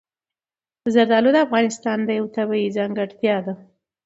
زردالو د افغانستان یوه طبیعي ځانګړتیا ده.